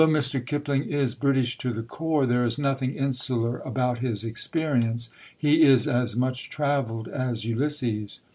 Although Mr. Kipling is British to the core, there is nothing insular about his experience; he is as much travelled as Ulysses.